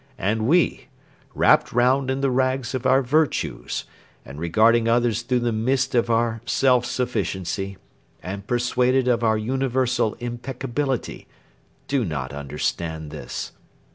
And we, wrapped round in the rags of our virtues, and regarding others through the mist of our self sufficiency, and persuaded of our universal impeccability, do not understand this.